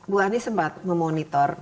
bu ani sempat memonitor